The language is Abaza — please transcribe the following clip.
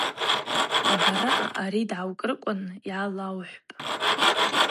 Абараъа ауи дгӏаукӏрыквын йгӏауалхӏвпӏ.